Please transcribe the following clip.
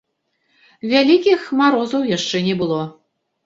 Вялікіх марозаў яшчэ не было.